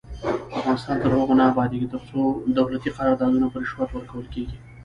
افغانستان تر هغو نه ابادیږي، ترڅو دولتي قراردادونه په رشوت ورکول کیږي.